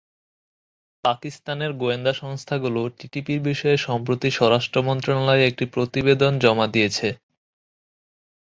পাকিস্তানের গোয়েন্দা সংস্থাগুলো টিপিপির বিষয়ে সম্প্রতি স্বরাষ্ট্র মন্ত্রণালয়ে একটি প্রতিবেদন জমা দিয়েছে।